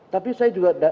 tapi saya juga